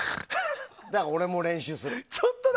だから俺も練習する。